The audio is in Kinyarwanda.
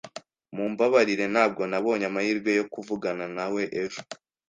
Mumbabarire ntabwo nabonye amahirwe yo kuvugana nawe ejo.